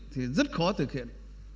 thì rất khó thực hiện